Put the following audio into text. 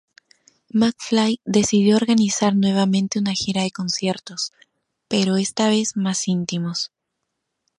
McFly decidió organizar nuevamente una gira de conciertos, pero esta vez más íntimos.